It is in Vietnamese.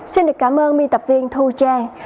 xin được cảm ơn miên tập viên thu trang